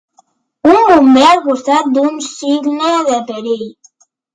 Un bomber al costat d'un signe de perill.